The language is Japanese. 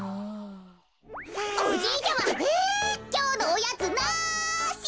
おじいちゃまきょうのおやつなし！